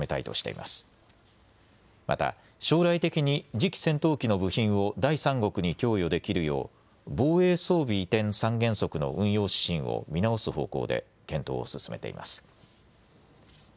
また将来的に次期戦闘機の部品を第三国に供与できるよう、防衛装備移転三原則の運用指針を見直す方向で検討を進めています。